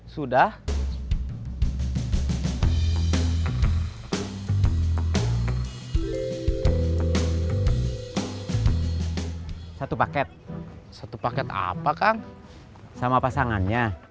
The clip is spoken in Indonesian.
saya gidepan clave bersama pasangannya